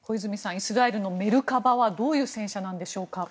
イスラエルのメルカバはどういう戦車なんでしょうか。